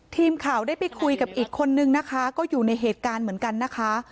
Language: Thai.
ทีมข่าวได้ไปคุยกับอีกคนนึงนะคะก็อยู่ในเหตุการณ์เหมือนกันนะคะ